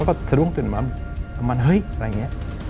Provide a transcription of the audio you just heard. แล้วก็กึ้งตื่นออกมาน้ำมันเฮ้ยอะไรแบบนี้